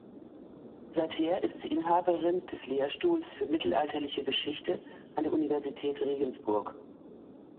Seither ist sie Inhaberin des Lehrstuhls für Mittelalterliche Geschichte an der Universität Regensburg.